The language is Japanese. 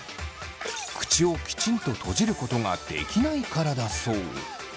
口をきちんと閉じることができないからだそう。